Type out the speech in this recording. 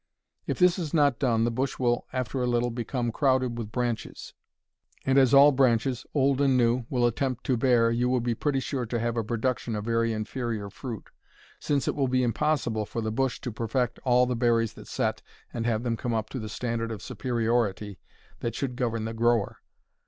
If this is not done the bush will after a little become crowded with branches, and as all branches, old and new, will attempt to bear, you will be pretty sure to have a production of very inferior fruit, since it will be impossible for the bush to perfect all the berries that set and have them come up to the standard of superiority that should govern the grower.